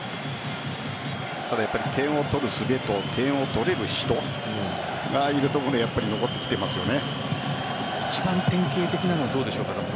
ただ、点を取る術と点を取れる人がいると一番典型的なのはどうでしょう。